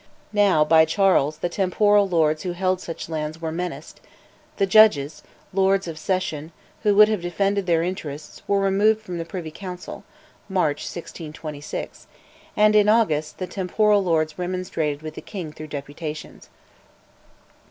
Now, by Charles, the temporal lords who held such lands were menaced, the judges ("Lords of Session") who would have defended their interests were removed from the Privy Council (March 1626), and, in August, the temporal lords remonstrated with the king through deputations.